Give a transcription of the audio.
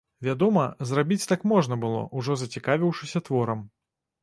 Вядома, зрабіць так можна было, ужо зацікавіўшыся творам.